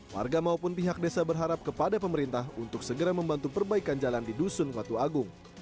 warga maupun pihak desa berharap kepada pemerintah untuk segera membantu perbaikan jalan di dusun watu agung